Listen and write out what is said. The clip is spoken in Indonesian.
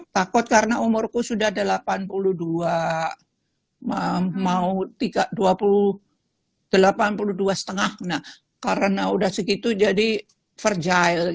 takut karena umurku sudah delapan puluh dua mau tiga puluh dua puluh delapan puluh dua setengah nah karena udah segitu jadi perjalan